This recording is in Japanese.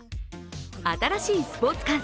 新しいスポーツ観戦